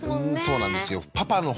そうなんですよ。